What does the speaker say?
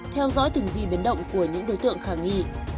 theo dõi từng gì biến động của những đối tượng khả nghi